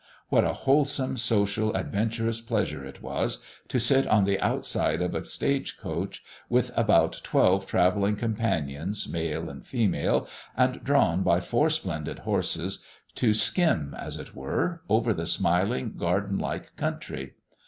What a wholesome, social, adventurous pleasure it was, to sit on the outside of a stage coach with about twelve travelling companions, male and female, and drawn by four splendid horses, to skim, as it were, over the smiling garden like country.